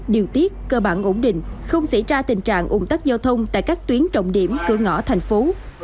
điều tiết cơ bản ổn định không xảy ra tình trạng ủng tắc giao thông tại các tuyến trọng điểm cửa ngõ thành phố